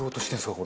これ。